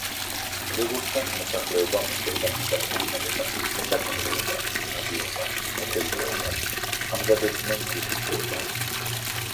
როგორც ჩანს, მოსახლეობა მისდევდა მიწათმოქმედებას, მესაქონლეობას, ნადირობას, მეთევზეობას; ამზადებდნენ თიხის ჭურჭელს.